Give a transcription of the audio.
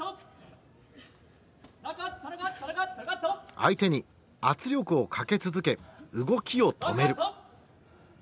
相手に圧力をかけ続け動きを止める。